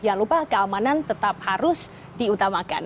jangan lupa keamanan tetap harus diutamakan